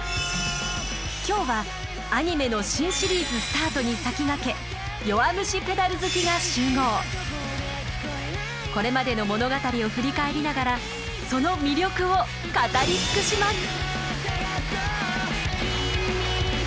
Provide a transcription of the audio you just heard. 今日はアニメの新シリーズスタートに先駆けこれまでの物語を振り返りながらその魅力を語り尽くします！